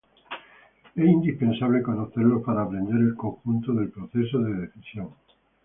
Es indispensable conocerlos para aprender el conjunto del proceso de decisión.